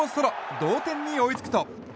同点に追いつくと。